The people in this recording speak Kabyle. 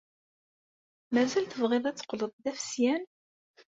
Mazal tebɣiḍ ad teqqleḍ d afesyan?